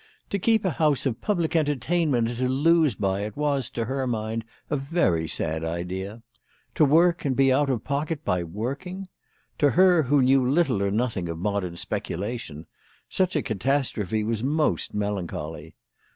To keep a house of public entertainment and to lose by it was, to her mind, a very sad idea ! To work and be out of pocket by working ! To her who knew little or nothing of modern speculation, such a catastrophe was most melan choly.